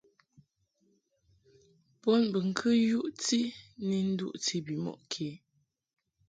Bonbɨŋkɨ yuʼti ni duʼti bimɔʼ kě.